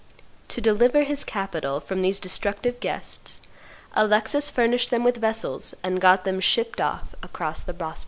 To deliver his capital from these destructive guests, Alexis furnished them with vessels, and got them shipped off across the Bosphorus."